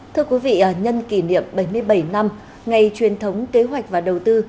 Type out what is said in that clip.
thưa quý vị nhân kỷ niệm bảy mươi bảy năm ngày truyền thống kế hoạch và đầu tư